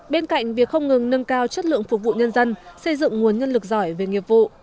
bên cạnh việc không ngừng nâng cao chất lượng phục vụ nhân dân xây dựng nguồn nhân lực giỏi về nghiệp vụ